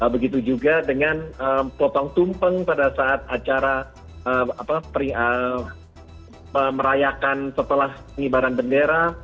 begitu juga dengan potong tumpeng pada saat acara merayakan setelah pengibaran bendera